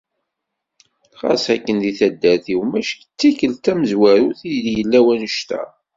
Ɣas akken deg taddart-iw mačči d tikkelt tamezwarut i d-yella wnnect-a.